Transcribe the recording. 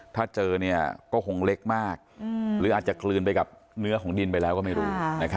ถ้าเจอก็คงเล็กมากหรืออาจจะกลืนไปกับเนื้อของดินไปแล้วก็ไม่รู้